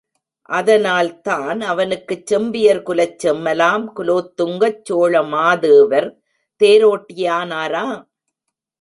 அதனால்தான் அவனுக்குச் செம்பியர்குலச் செம்மலாம் குலோத்துங்கச் சோழமாதேவர் தேரோட்டியானாரா?